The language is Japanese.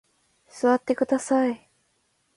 座ってください。